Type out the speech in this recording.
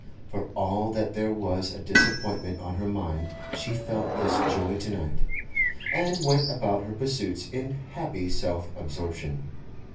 For all that there was a disappointment on her mind, she felt this joy to night, and went about her pursuits in happy self absorption.